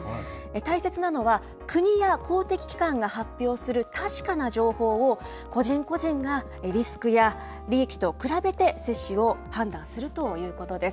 大切なのは、国や公的機関が発表する確かな情報を、個人個人が、リスクや利益と比べて、接種を判断するということです。